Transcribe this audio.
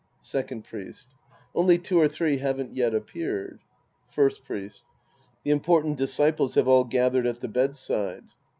Second Priest. Only two or three haven't yet appeared. First Priest. The important disciples have all gathered at the bedside.